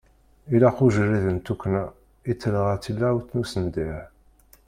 Ilaq ujeṛṛiḍ n tuqqna i telɣa tilawt n usendeh.